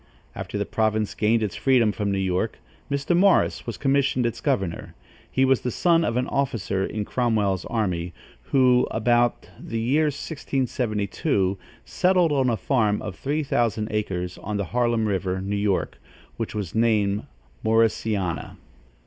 After the province gained its freedom from New York, Mr. Morris was commissioned its governor. He was the son of an officer in Cromwell's army, who, about the year 1672, settled on a farm of three thousand acres on the Harlem River, New York, which was named Morrisania.